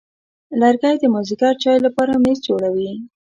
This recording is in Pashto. لرګی د مازېګر چای لپاره میز جوړوي.